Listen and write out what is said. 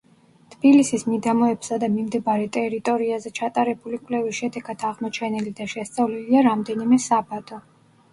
თბილისის მიდამოებსა და მიმდებარე ტერიტორიაზე ჩატარებული კვლევის შედეგად აღმოჩენილი და შესწავლილია რამდენიმე საბადო.